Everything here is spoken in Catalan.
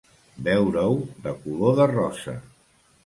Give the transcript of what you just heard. Veure-ho de color de rosa.